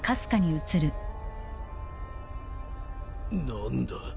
何だ